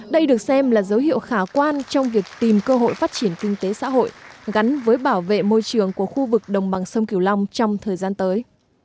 đây được xem là dấu hiệu khả quan trong việc tìm cơ hội phát triển kinh tế xã hội gắn với bảo vệ môi trường của khu vực đồng bằng sông kiều long trong thời gian tới